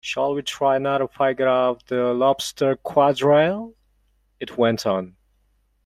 ‘Shall we try another figure of the Lobster Quadrille?’ it went on.